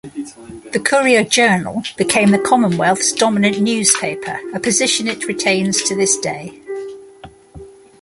"The Courier-Journal" became the commonwealth's dominant newspaper, a position it retains to this day.